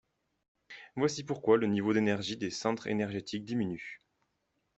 Voici pourquoi le niveau d'énergie des centres énergétiques diminue.